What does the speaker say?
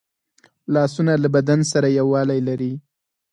لاسونه له بدن سره یووالی لري